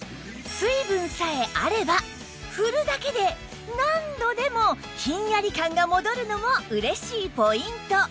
水分さえあれば振るだけで何度でもひんやり感が戻るのも嬉しいポイント